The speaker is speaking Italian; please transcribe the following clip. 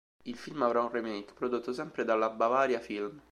Il film avrà un "remake", prodotto sempre dalla Bavaria Film.